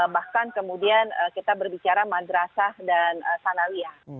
bahkan kemudian kita berbicara madrasah dan sanawiyah